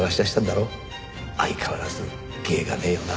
相変わらず芸がねえよな。